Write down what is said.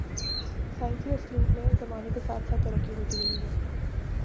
سائنسی اسلوب میں زمانے کے ساتھ ساتھ ترقی ہوتی رہی ہے